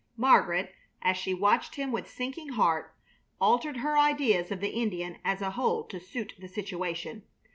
Margaret, as she watched him with sinking heart, altered her ideas of the Indian as a whole to suit the situation.